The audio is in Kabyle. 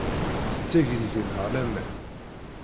Tetteg deg-neɣ laman.